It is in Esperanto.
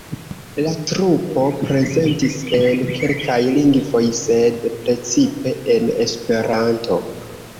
La trupo prezentis en kelkaj lingvoj, sed precipe en Esperanto.